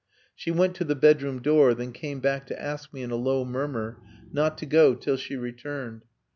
She went to the bedroom door, then came back to ask me in a low murmur not to go till she returned.